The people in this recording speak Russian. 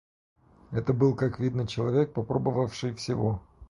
Это был, как видно, человек попробовавший всего.